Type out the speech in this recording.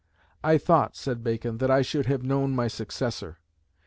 "I thought," said Bacon, "that I should have known my successor."